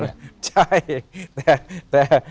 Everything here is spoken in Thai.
ใช่